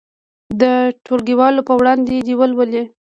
د ټولګیوالو په وړاندې دې ولولي.